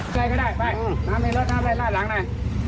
ใกล้ก็ได้ไปน้ำในรถน้ำใดลาดหลังหน่อยอ่ะเก็บให้หมดอ่า